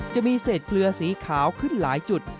จะมีเศษเกลือสีขาวขึ้นหลายจุด